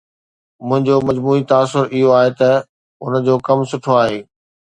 منهنجو مجموعي تاثر اهو آهي ته هن جو ڪم سٺو آهي